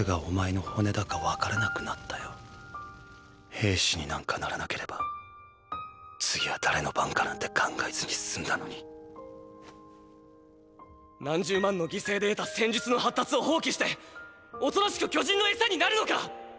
兵士になんかならなければ次は誰の番かなんて考えずに済んだのに何十万の犠牲で得た戦術の発達を放棄しておとなしく巨人のエサになるのか？